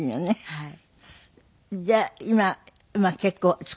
はい。